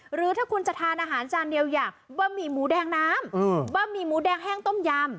หรือถ้าคุณจะทานอาหารจานเดียวอย่างบะหมี่หมูแดงน้ำบะหมี่หมูแดงแห้งต้มยำ